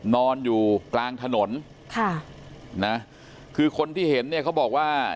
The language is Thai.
นอนอยู่กลางถนนค่ะนะคือคนที่เห็นเนี่ยเขาบอกว่า